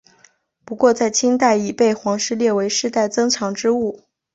不过在清代已被皇室列为世代珍藏之物。